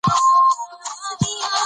اوښ د افغان ماشومانو د لوبو موضوع ده.